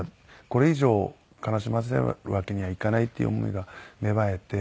これ以上悲しませるわけにはいかないっていう思いが芽生えて。